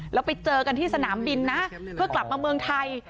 แล้วไปเจอกันที่สนามบินนะเพื่อกลับมาเมืองไทย